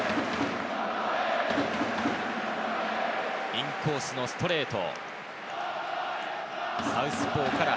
インコースのストレート。